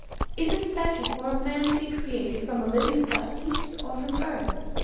Is it better for a man to be created from a living substance or from earth